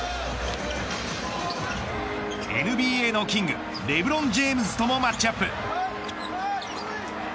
ＮＢＡのキングレブロン・ジェームズともマッチアップ。